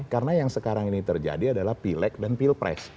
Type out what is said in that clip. karena yang sekarang ini terjadi adalah pilek dan pilpres